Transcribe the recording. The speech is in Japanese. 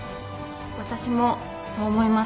私もそう思います。